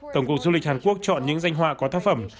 tổng cục du lịch hàn quốc chọn những danh họa có tác phẩm